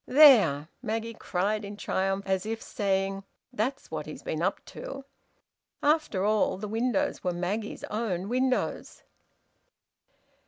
"There!" Maggie cried, in triumph, as if saying: "That's what he's been up to!" After all, the windows were Maggie's own windows.